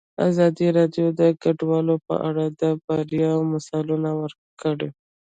ازادي راډیو د کډوال په اړه د بریاوو مثالونه ورکړي.